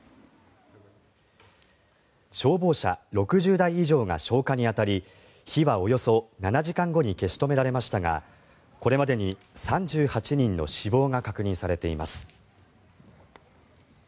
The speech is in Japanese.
消防車６０台以上が消火に当たり火はおよそ７時間後に消し止められましたがこれまでに３８人の死亡が確認されています。